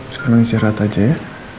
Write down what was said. sekarang istirahat aja ya